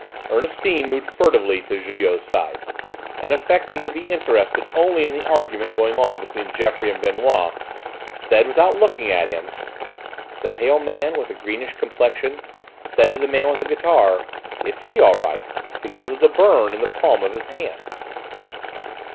Ernestine moved furtively to Julot's side, and affecting to be interested only in the argument going on between Geoffroy and Benoît, said without looking at him: "The pale man, with the greenish complexion, said to the man with the guitar, 'It's he, all right, because of the burn in the palm of his hand.'"